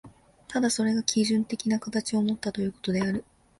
ただそれが基準的な形をもったということである。